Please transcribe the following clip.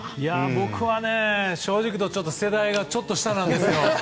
僕はね、正直言うと世代がちょっと下なんですよ。